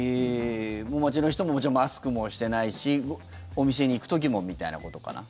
街の人ももちろんマスクもしてないしお店に行く時もみたいなことかな？